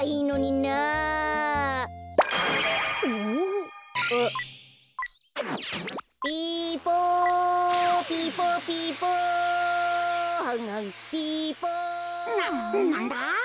ななんだ？